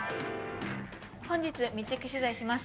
本日密着取材します。